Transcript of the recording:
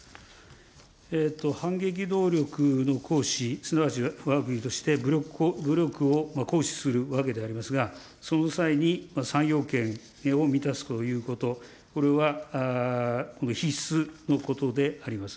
反撃能力の行使、すなわちわが国として武力を行使するわけでありますが、その際に３要件を満たすということ、これは必須のことであります。